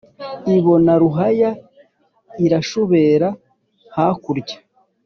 ibona ruhaya irashubera hakulya.